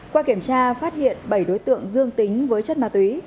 qua kiểm tra phát hiện bảy đối tượng dương tính với chất ma túy